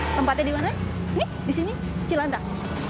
tempatnya dimana nih disini cilandak